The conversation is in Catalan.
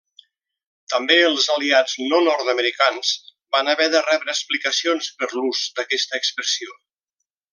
També els aliats no nord-americans van haver de rebre explicacions per l'ús d'aquesta expressió.